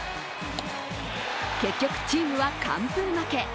結局チームは完封負け。